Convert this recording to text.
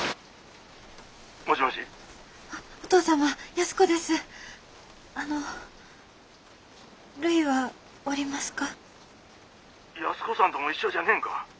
☎安子さんとも一緒じゃねえんか！